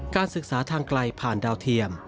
การศึกษาทางไกลผ่านดาวเทียม